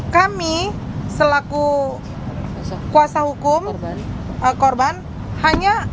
kami selaku kuasa hukum korban hanya